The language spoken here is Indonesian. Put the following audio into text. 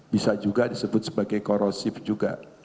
bisa juga disebut sebagai korosif juga